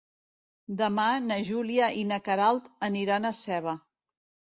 Demà na Júlia i na Queralt aniran a Seva.